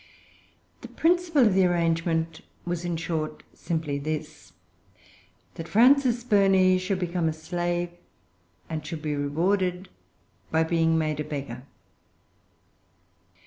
The principle of the arrangement was, in short, simply this, that Frances Burney should become a slave, and should be rewarded by being made a beggar.